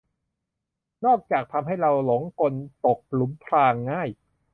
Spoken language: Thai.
นอกจากทำให้เราหลงกลตกหลุมพรางง่าย